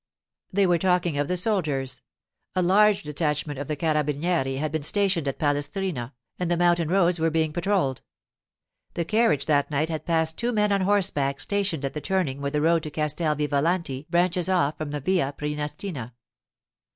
They were talking of the soldiers; a large detachment of carabinieri had been stationed at Palestrina, and the mountain roads were being patrolled. The carriage that night had passed two men on horseback stationed at the turning where the road to Castel Vivalanti branches off from the Via Prænestina.